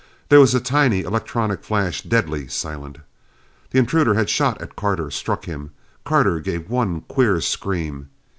There was a tiny electronic flash, deadly silent. The intruder had shot at Carter: struck him. Carter gave one queer scream.